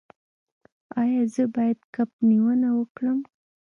ایا زه باید کب نیونه وکړم؟